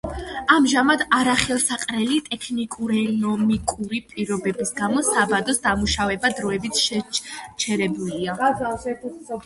ამჟამად არახელსაყრელი ტექნიკურ-ეკონომიკური პირობების გამო საბადოს დამუშავება დროებით შეჩერებულია.